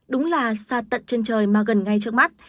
đúng là xa tận trên trời mà gần ngay trước mắt